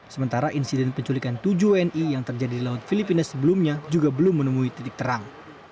sementara insiden penculikan tujuh wni yang terjadi di laut filipina sebelumnya juga belum menemui titik terang